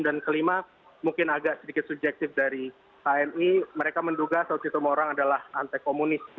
dan kelima mungkin agak sedikit subjektif dari hmi mereka menduga saud siti morang adalah anti komunis